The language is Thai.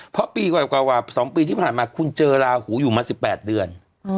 เพราะปีกว่า๒ปีที่ผ่านมาคุณเจอลาหูอยู่มา๑๘เดือน